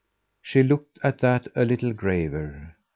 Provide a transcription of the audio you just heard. She looked at that a little graver.